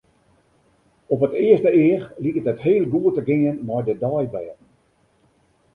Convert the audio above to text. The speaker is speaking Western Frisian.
Op it earste each liket it heel goed te gean mei de deiblêden.